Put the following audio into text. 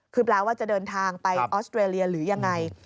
คือแปลว่าจะเดินทางไปออสเตรเลียหรือยังไง